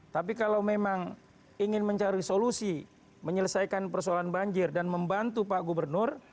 tapi kalau memang ingin mencari solusi menyelesaikan persoalan banjir dan membantu pak gubernur